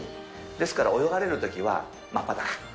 ですから泳がれるときは、真っ裸。